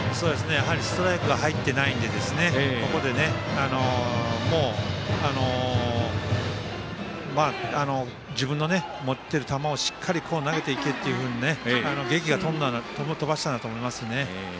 ストライクが入っていないのでここで自分の持っている球をしっかり投げていくというふうにげきを飛ばしたんだと思います。